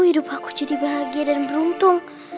hidup aku jadi bahagia dan beruntung